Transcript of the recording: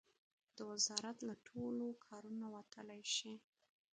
د وزارت له ټولو کارونو وتلای شي.